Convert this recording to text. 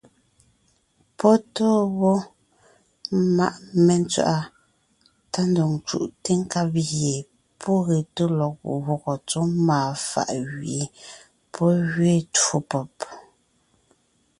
Pɔ́ tóo wó ḿmaʼ mentswaʼá tá ndɔg ńcúʼte nkab gie pɔ́ ge tó lɔg gwɔ́gɔ tsɔ́ máa fàʼ gẅie pɔ́ gẅiin twó pɔ́b.